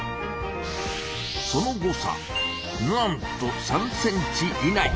その誤差なんと３ｃｍ以内。